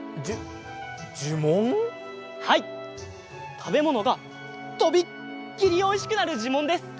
たべものがとびっきりおいしくなるじゅもんです。